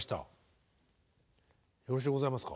よろしゅうございますか。